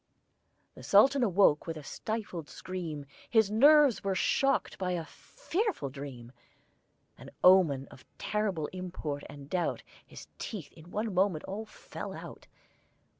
The Sultan awoke with a stifled scream: His nerves were shocked by a fearful dream: An omen of terrible import and doubt His teeth in one moment all fell out.